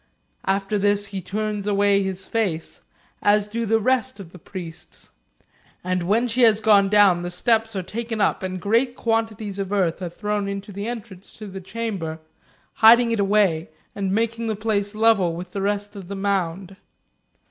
After this he turns away his face, as do the rest of the priests, and when she has gone down, the steps are taken up, and great quantities of earth are thrown into the entrance to the chamber, hiding it away, and making the place level with the rest of the mound.